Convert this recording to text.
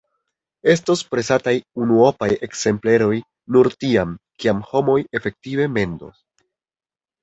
Estos presataj unuopaj ekzempleroj nur tiam, kiam homoj efektive mendos.